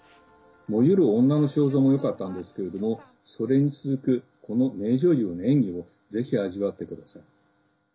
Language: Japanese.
「燃ゆる女の肖像」もよかったんですけれどもそれに続く、この名女優の演技をぜひ、味わってください。